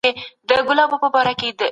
له بدګمانۍ څخه ځان وساتئ.